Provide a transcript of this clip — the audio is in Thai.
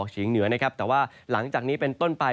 ก็จะมีการแผ่ลงมาแตะบ้างนะครับ